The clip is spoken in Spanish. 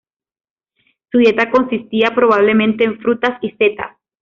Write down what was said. Su dieta consistía probablemente en frutas y setas.